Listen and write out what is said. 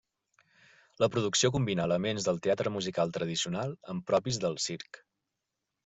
La producció combina elements del teatre musical tradicional amb propis del circ.